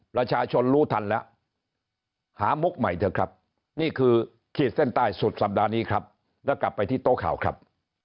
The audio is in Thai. ประชาชนรู้ทันแล้วหามุกใหม่เถอะครับนี่คือขีดเส้นใต้สุดสัปดาห์นี้ครับแล้วกลับไปที่โต๊ะข่าวครับ